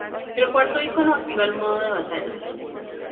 El cuarto icono activa el modo de batalla.